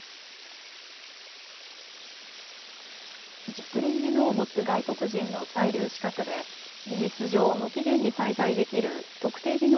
熟練技能を持つ外国人の在留資格で事実上、無期限に滞在できる特定技能